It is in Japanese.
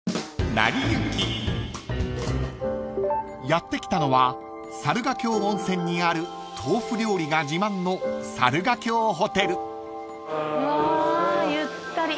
［やって来たのは猿ヶ京温泉にある豆腐料理が自慢の］わゆったり。